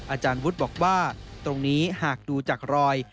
อาจารย์วุฒิบอกว่าตรงนี้หากดูจากรอย